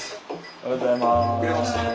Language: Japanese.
おはようございます。